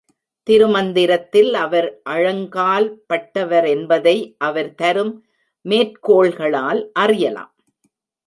திருமந்திரத்தில் அவர் ஆழங்கால் பட்டவரென்பதை அவர் தரும் மேற்கோள்களால் அறியலாம்.